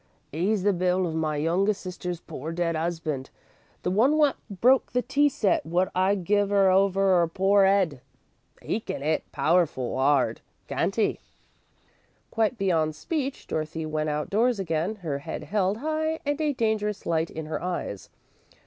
'E's the build of my youngest sister's poor dead 'usband; the one wot broke the tea set wot I give 'er over 'er poor 'ed. 'E can 'it powerful 'ard, can't 'e?" Quite beyond speech, Dorothy went outdoors again, her head held high and a dangerous light in her eyes.